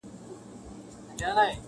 • ريشا زموږ د عاشقۍ خبره ورانه سوله..